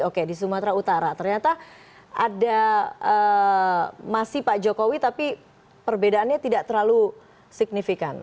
oke di sumatera utara ternyata ada masih pak jokowi tapi perbedaannya tidak terlalu signifikan